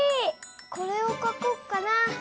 これをかこっかな。